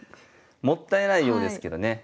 もったいないようですけどね。